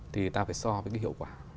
thì ta phải so với cái hiệu quả